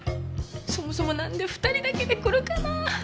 そもそもなんで２人だけで来るかな。